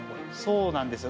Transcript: そうなんですよ。